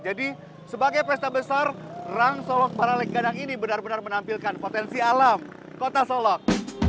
jadi sebagai pesta besar rang solok baraleg gadang ini benar benar menampilkan potensi alam kota solok